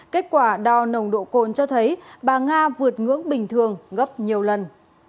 kết quả đo nồng độ cồn cho thấy bà nga vượt ngưỡng bình thường gấp nhiều lần